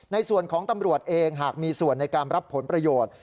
ในส่วนของตำรวจเองหากมีส่วนในการรับผลประโยชน์